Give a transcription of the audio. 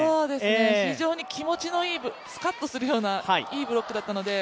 非常に気持ちのいいスカッとするようないいブロックだったので